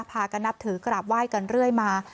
พากันนับถือกราบไหว้กันเรื่อยมา